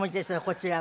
こちらは。